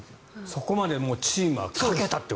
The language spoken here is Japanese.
そこまでチームは賭けたと。